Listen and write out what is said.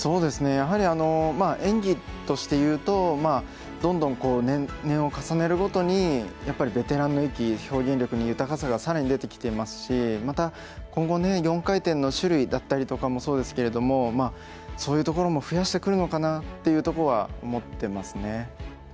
やはり、演技としていうとどんどん年齢を重ねるごとにベテランの域、表現力に豊かさがさらに出てきてますしまた、今後４回転の種類だったりとかもそうですけれどもそういうところも増やしてくるのかなというところは思っていますね。